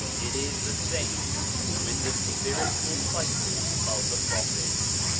It is the same with the spiritual cycles of the Prophets.